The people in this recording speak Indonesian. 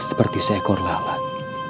seperti seekor lalat